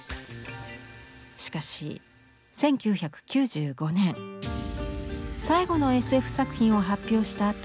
しかし１９９５年最後のＳＦ作品を発表した